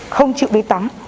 không chịu đi tắm